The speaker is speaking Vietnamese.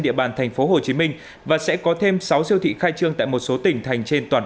địa bàn thành phố hồ chí minh và sẽ có thêm sáu siêu thị khai trương tại một số tỉnh thành trên toàn